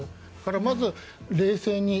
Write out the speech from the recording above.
まず、冷静に。